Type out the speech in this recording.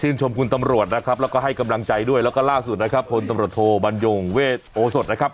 ชื่นชมคุณตำรวจนะครับแล้วก็ให้กำลังใจด้วยแล้วก็ล่าสุดนะครับ